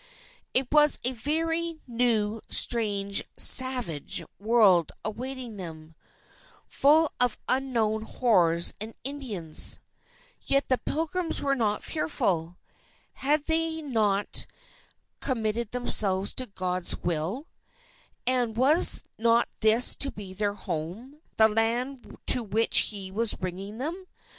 It was a very new, strange, savage world awaiting them, full of unknown horrors and Indians. Yet the Pilgrims were not fearful. Had they not committed themselves to God's will? And was not this to be their home, the land to which He was bringing them?